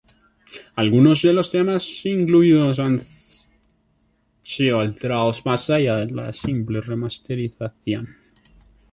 Algunos de los temas incluidos han sido alterados más allá de la simple remasterización.